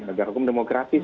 negara hukum demokratis